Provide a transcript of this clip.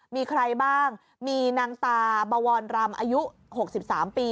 มีใครบ้างมีนางตาบวรรำอายุ๖๓ปี